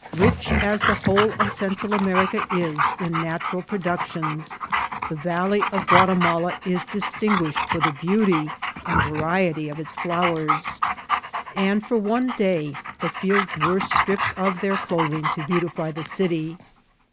Rich as the whole of Central America is in natural productions, the valley of Ouatimala is distinguished for the beauty and variety of its flowers ; and for one day the fields were stripped of their clothing to beauti fy the city.